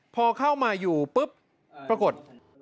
พอเข้ามาอยู่ปุ๊บปรากฏ